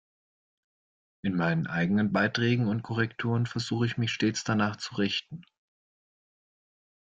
In meinen eigenen Beiträgen und Korrekturen versuche ich, mich stets danach zu richten.